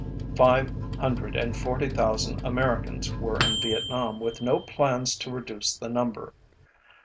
Five hundred and forty thousand Americans were in Vietnam with no plans to reduce the number.